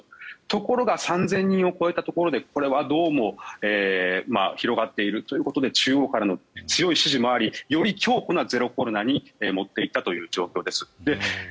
ところが３０００人を超えたところでこれはどうも広がっているということで中央からの強い指示もありより強固なゼロコロナに持っていったという状況です。